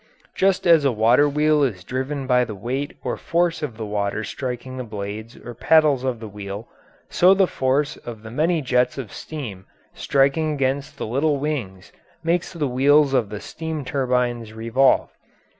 Just as a water wheel is driven by the weight or force of the water striking the blades or paddles of the wheel, so the force of the many jets of steam striking against the little wings makes the wheels of the steam turbines revolve.